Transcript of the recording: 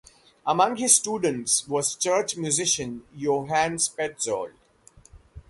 Among his students was church musician Johannes Petzold.